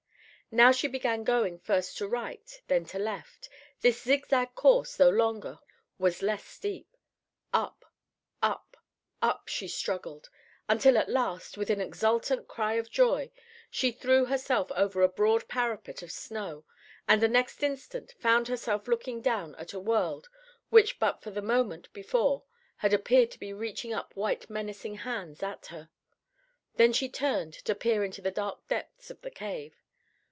Now she began going first to right, then to left. This zig zag course, though longer, was less steep. Up—up—up she struggled, until at last, with an exultant cry of joy, she threw herself over a broad parapet of snow and the next instant found herself looking down at a world which but the moment before had appeared to be reaching up white menacing hands at her. Then she turned to peer into the dark depths of the cave.